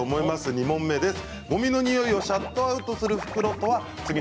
２問目です。